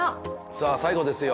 さあ最後ですよ。